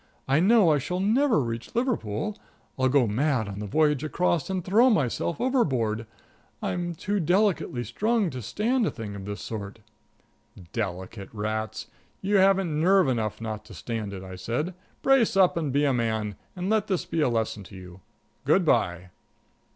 I know I shall never reach Liverpool. I'll go mad on the voyage across, and throw myself overboard. I'm too delicately strung to stand a thing of this sort." "Delicate rats! You haven't nerve enough not to stand it," I said. "Brace up and be a man, and let this be a lesson to you. Good by."